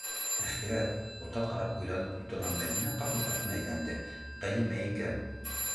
Әхирәт! - утҡа ҡарап уйланып ултырған Мәҙинә ҡапыл артына әйләнде: Ғәлимә икән.